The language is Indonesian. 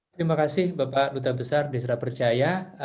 terima kasih bapak duta besar desra percaya